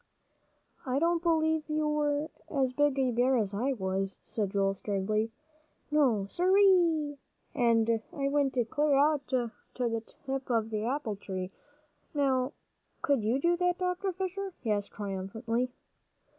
"I don't b'lieve you were as big a bear as I was," said Joel, sturdily. "No, sir ree! And I went clear out to the tip of th' apple tree. Now could you do that, Dr. Fisher?" he asked triumphantly.